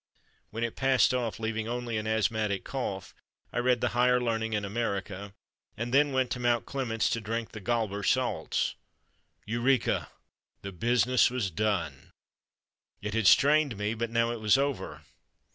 When it passed off, leaving only an asthmatic cough, I read "The Higher Learning in America," and then went to Mt. Clemens to drink the Glauber's salts. Eureka! the business was done! It had strained me, but now it was over.